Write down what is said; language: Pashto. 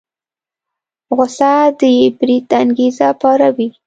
غوسه د بريد انګېزه پاروي.